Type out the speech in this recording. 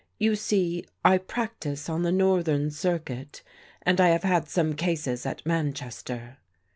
You see I practise on the Northern Circuit, and I have had some cases at Manchester."'